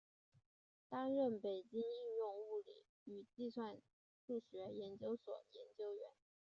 担任北京应用物理与计算数学研究所研究员。